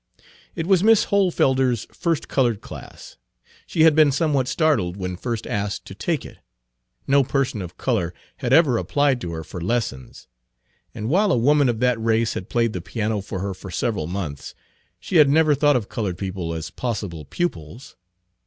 It was Miss Hohlfelder's first colored class. She had been somewhat startled when first asked to take it. No person of color had ever applied to her for lessons; and while a woman Page 36 of that race had played the piano for her for several months, she had never thought of colored people as possible pupils.